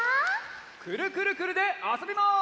「くるくるくるっ」であそびます！